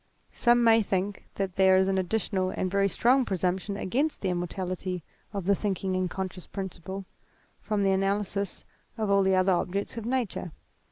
Some may think that there is an additional and very strong presumption against the immortality of the thinking and conscious principle, from the analysis of all the other objects of Nature.